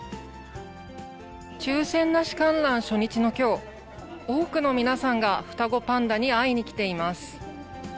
抽せんなし観覧初日のきょう、多くの皆さんが双子パンダに会いに来ています。